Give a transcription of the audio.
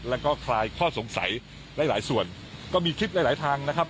แล้วก็คลายข้อสงสัยหลายหลายส่วนก็มีคลิปหลายหลายทางนะครับ